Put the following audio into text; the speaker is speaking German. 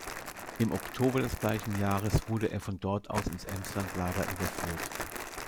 Im Oktober des gleichen Jahres wurde er von dort aus ins Emslandlager überführt.